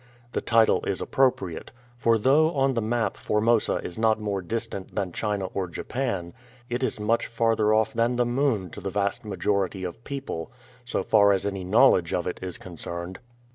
The title is appropriate, for though on the map Formosa is not more distant than China or Japan, it is much farther off than the moon to the vast majority of people, so far as any knowledge of it is concerned.